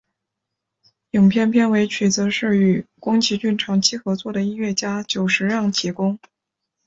影片片尾曲则是与宫崎骏长期合作的音乐家久石让提供。